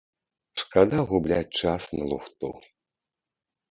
Шкада губляць час на лухту.